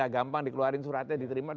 gampang dikeluarin suratnya diterima